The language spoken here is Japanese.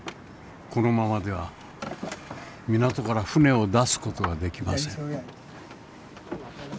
このままでは港から船を出す事はできません。